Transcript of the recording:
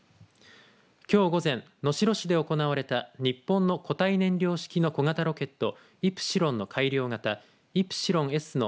きょう午前、能代市で行われた日本の固体燃料式の小型ロケットイプシロンの改良型イプシロンＳの